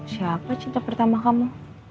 siapa cinta pertama kamu